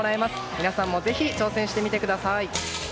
皆さんもぜひ挑戦してみてください！